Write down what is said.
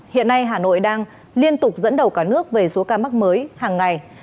hiện nay hà nội đang liên tục dẫn đầu cả nước về số ca mắc mới hàng ngày